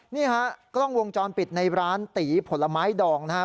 นี่ฮะกล้องวงจรปิดในร้านตีผลไม้ดองนะครับ